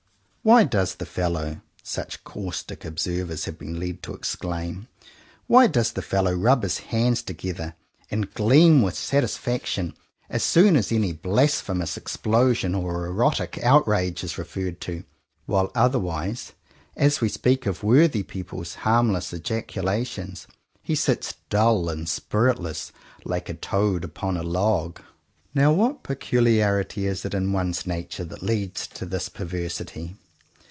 "Why does the fellow" — such caustic observers have been led to exclaim — "why does the fellow rub his hands together and gleam with satisfaction as 95 CONFESSIONS OF TWO BROTHERS soon as any blasphemous explosion or erotic outrage is referred to, while otherwise, as we speak of worthy people's harmless ejaculations he sits dull and spiritless like a toad upon a log?" Now what peculiarity is it in one's nature that leads to this perversity?